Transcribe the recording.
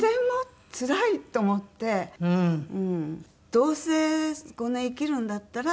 どうせ５年生きるんだったら。